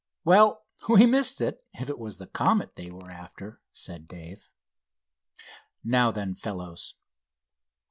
"Well, we missed it, if it was the Comet they were after," said Dave. "Now then, fellows."